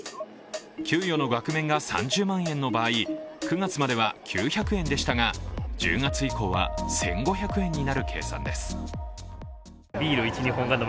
給与の額面が３０万円の場合、９月までは９００円でしたが１０月以降は１５００円になる計算です。